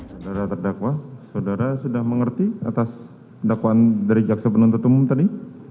saudara terdakwa saudara sudah mengerti atas dakwaan dari jaksa penuntut umum tadi